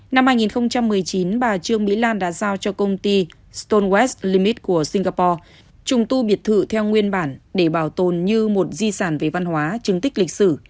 năm hai nghìn một mươi chín bà trương mỹ lan đã giao cho công ty stolt limit của singapore trùng tu biệt thự theo nguyên bản để bảo tồn như một di sản về văn hóa chứng tích lịch sử